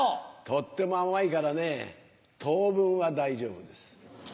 とっても甘いからねぇトウブンは大丈夫です。